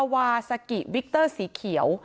วาซากิวิกเตอร์สีเขียว